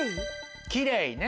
「きれい」ね。